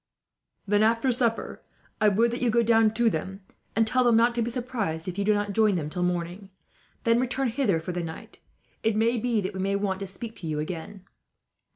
"Then, after supper, I would that you go down to them, and tell them not to be surprised if you do not join them till morning. Then return hither for the night. It may be that we may want to speak to you again."